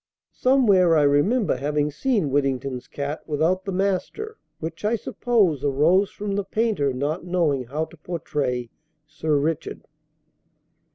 Somewhere I remember having seen "Whittington's Cat" without the master, which, I suppose, arose from the painter not knowing how to portray "Sir Richard."